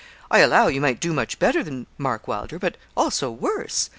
I allow you might do much better than Mark Wylder, but also worse.